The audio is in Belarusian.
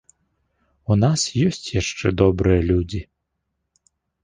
У нас ёсць яшчэ добрыя людзі!